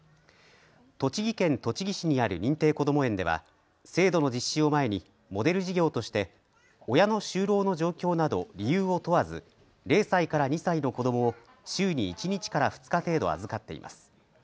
栃木県栃木市にある認定こども園では制度の実施を前にモデル事業として親の就労の状況など理由を問わず０歳から２歳の子どもを週に１日から２日程度預かっています。